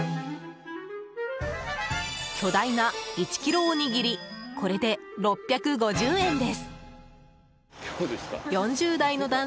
巨大な１ｋｇおにぎりこれで６５０円です。